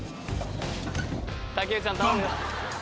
竹内さん頼むよ。